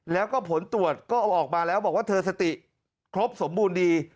แล้วก็ผลตรวจก็ออกมาแล้วบอกว่าเธอสติครบสมบูรณ์ดี